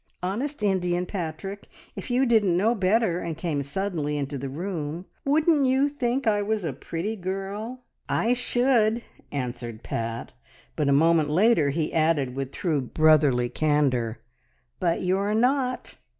Honest Indian, Patrick! If you didn't know better, and came suddenly into the room, wouldn't you think I was a pretty girl?" "I should!" answered Pat; but a moment later he added, with true brotherly candour, "But you're not."